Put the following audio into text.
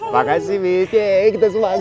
makasih miss yeay kita semangat